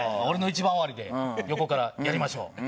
俺の１番終わりで横から「やりましょう」